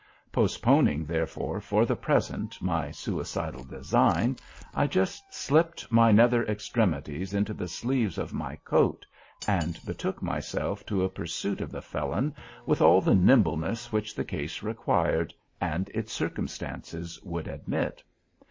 Postponing, therefore, for the present, my suicidal design, I just slipped my nether extremities into the sleeves of my coat, and betook myself to a pursuit of the felon with all the nimbleness which the case required and its circumstances would admit.